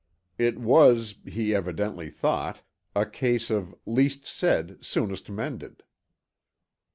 It was, he evidently thought, a case of "least said, soonest mended."